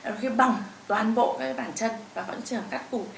đôi khi bỏng toàn bộ bàn chân và có những trường hợp cắt củ